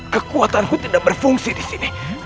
kekuatanku tidak berfungsi di sini